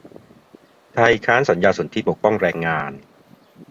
ไทยค้านสนธิสัญญาปกป้องแรงงาน